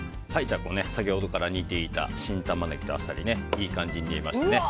先ほどから煮ていた新タマネギとアサリいい感じに煮えましたね。